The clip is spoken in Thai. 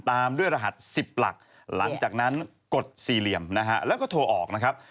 ตามด้วยรหัส๑๐หลักหลังจากนั้นกดสี่เหลี่ยมนะฮะแล้วก็โทรออกนะครับ